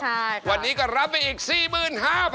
ใช่ครับวันนี้ก็รับไปอีก๔๕๐๐๐บาท